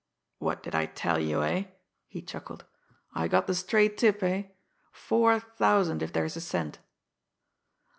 "What did I tell you, eh?" he chuckled. "I got the straight tip, eh? Four thousand, if there's a cent!"